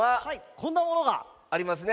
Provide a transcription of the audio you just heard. こんなものが。ありますね。